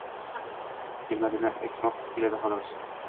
“Kelmadi”ni aytmoq keladi, holos.